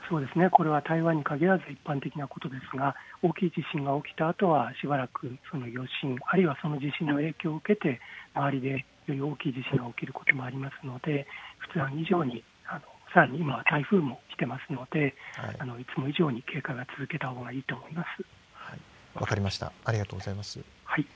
これは台湾に限らず一般的なことですが大きな地震が起きたあとはしばらくその余震、あるいは地震の影響を受けて周りで大きい地震が起きることもあるのでふだん以上にさらに今、台風も来ているのでいつも以上に警戒を続けたほうがいいと思います。